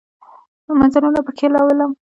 مزلونه پکښې لولم